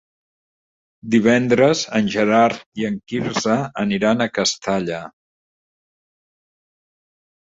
Divendres en Gerard i en Quirze aniran a Castalla.